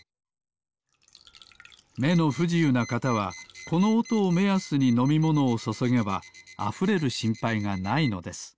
めのふじゆうなかたはこのおとをめやすにのみものをそそげばあふれるしんぱいがないのです。